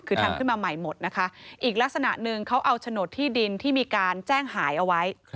คือทำขึ้นมาใหม่หมดนะคะอีกลักษณะหนึ่งเขาเอาโฉนดที่ดินที่มีการแจ้งหายเอาไว้